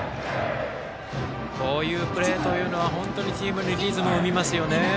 こういうプレーというのは本当にチームにリズムを生みますよね。